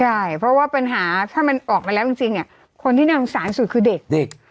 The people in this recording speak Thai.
ใช่เพราะว่าปัญหาถ้ามันออกมาแล้วจริงคนที่นำสารสุดคือเด็กเด็ก